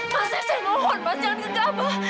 mas mas saya mohon mas jangan kegabah